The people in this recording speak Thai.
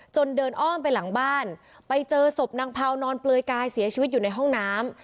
เดินอ้อมไปหลังบ้านไปเจอศพนางเผานอนเปลือยกายเสียชีวิตอยู่ในห้องน้ำ